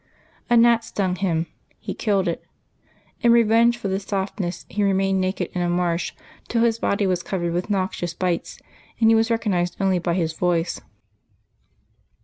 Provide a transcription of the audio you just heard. A gnat stung him ; he killed it. In revenge for this softness he remained naked in a marsh till his body was covered with noxious bites and he was recognized only by his voice.